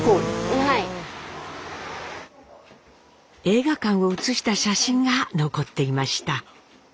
映画館を写した写真が残っていました。